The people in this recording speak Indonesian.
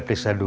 mamin mau tahu